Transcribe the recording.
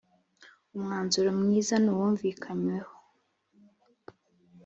umwanzuro mwiza nuwumvikanyweho .